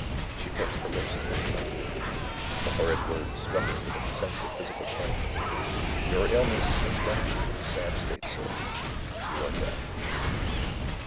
She put her lips close to my ear; the horrid words struck me with a sense of physical pain: 'Your illness has left you in a sad state, sir. You are deaf.'"